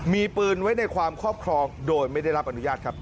มีปืนไว้ในความครอบครองโดยไม่ได้รับอนุญาตครับ